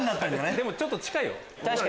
でもちょっと近いよ。